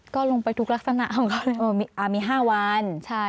ก็ลงไปทุกลักษณะของเขาเลยมี๕วัน